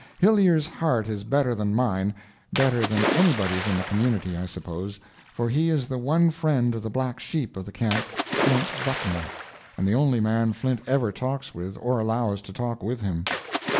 Hillyer's heart is better than mine, better than anybody's in the community, I suppose, for he is the one friend of the black sheep of the camp Flint Buckner and the only man Flint ever talks with or allows to talk with him.